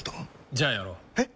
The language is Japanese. じゃあやろう。え？